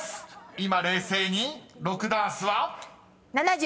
［今冷静に６ダースは？］